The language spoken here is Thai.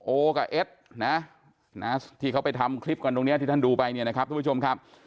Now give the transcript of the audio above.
โอกับเอ็ดนะที่เขาไปทำคลิปกันตรงนี้ที่ท่านดูไปเนี่ยนะครับทุกผู้ชมครับ